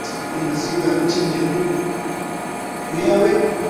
hifadhi ya mikumi ni moja kati ya hifadhi zinazopatikana tanzania